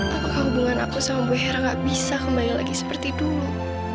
apakah hubungan aku sama bu hera nggak bisa kembali lagi seperti dulu